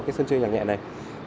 cái sân chơi nhạc nhạc này